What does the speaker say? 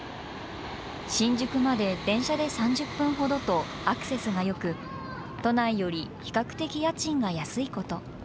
新宿まで電車で３０分ほどとアクセスがよく、都内より比較的家賃が安いこと。